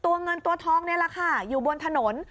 เงินตัวทองนี่แหละค่ะอยู่บนถนน